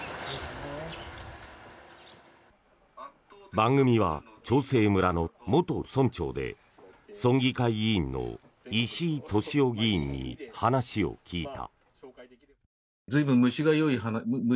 番組は、長生村の元村長で村議会議員の石井俊雄議員に話を聞いた。